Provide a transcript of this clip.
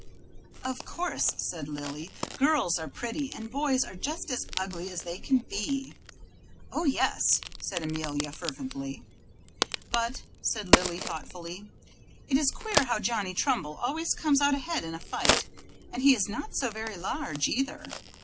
"Of course," said Lily, "girls are pretty, and boys are just as ugly as they can be." "Oh yes," said Amelia, fervently. "But," said Lily, thoughtfully, "it is queer how Johnny Trumbull always comes out ahead in a fight, and he is not so very large, either."